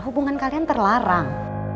hubungan kalian terlarang